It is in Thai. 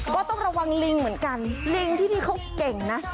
ก็ต้องระวังลิงเหมือนกันลิงที่นี่เขาเก่งนะ